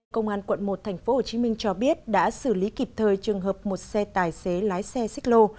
công an quận một tp hcm cho biết đã xử lý kịp thời trường hợp một xe tài xế lái xe xích lô